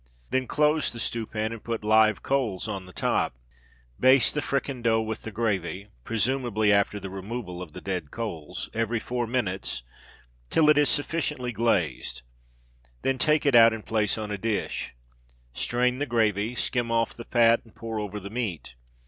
Then close the stewpan and put live coals on the top. Baste the fricandeau with the gravy presumably after the removal of the dead coals every four minutes till it is sufficiently glazed; then take it out and place on a dish. Strain the gravy, skim off the fat, and pour over the meat.